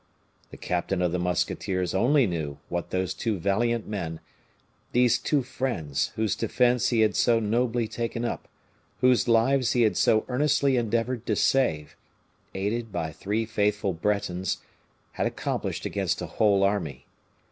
The captain of the musketeers only knew what those two valiant men these two friends, whose defense he had so nobly taken up, whose lives he had so earnestly endeavored to save aided by three faithful Bretons, had accomplished against a whole army.